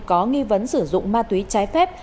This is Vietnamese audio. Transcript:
có nghi vấn sử dụng ma túy trái phép